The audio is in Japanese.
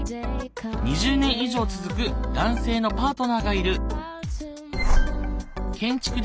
２０年以上続く男性のパートナーがいる。